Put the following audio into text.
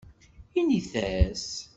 Init-as.